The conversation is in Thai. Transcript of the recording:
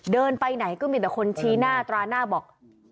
เดินไปไหนก็มีแต่คนชี้หน้าตราหน้าบอก